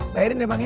bayarin deh bang ya